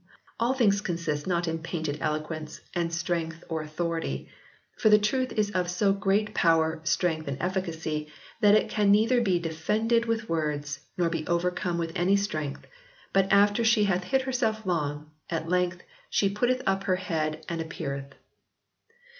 All things consist not in painted eloquence, and strength or authority: for the Truth is of so great power, strength and efficacy that it can neither be defended with words, nor be overcome with any strength, but after she hath hidden herself long, at length she putteth up her head and appeareth."